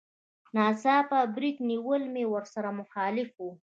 ناڅاپي بريک نيول مې ورسره مخالف و.